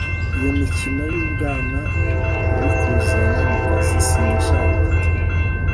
Iyo mikino yubwana uri kuzana mu kazi sinyishaka